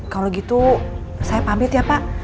kalau gitu saya pamit ya pak